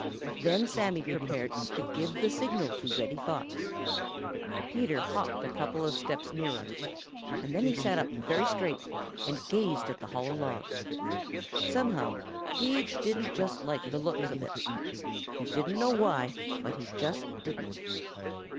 Then Sammy prepared to give the signal to Reddy Fox. Peter hopped a couple of steps nearer, and then he sat up very straight and gazed at the hollow log. Somehow he didn't just like the looks of it. He didn't know why, but he just didn't.